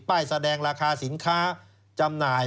ป้ายแสดงราคาสินค้าจำหน่าย